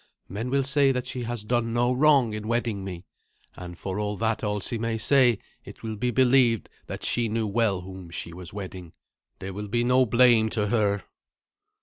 Men will say that she has done no wrong in wedding me; and for all that Alsi may say, it will be believed that she knew well whom she was wedding. There will be no blame to her."